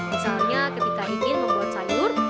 misalnya ketika ingin membuat sayur